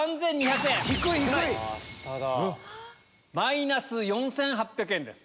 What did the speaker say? マイナス４８００円です。